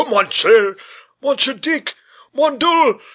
mon cher Monsieur Deeck! mon Dieu!